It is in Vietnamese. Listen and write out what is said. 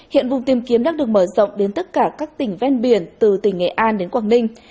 hiện vùng tìm kiếm đang được mở rộng đến tất cả các tỉnh ven biển từ tỉnh nghệ an đến quảng ninh